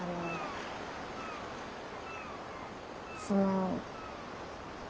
その。